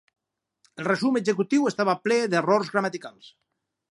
El resum executiu estava ple d'errors gramaticals.